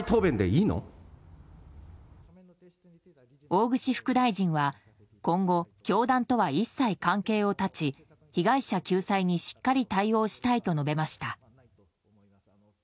大串副大臣は今後教団とは一切関係を断ち被害者救済にしっかり対応したいと述べました。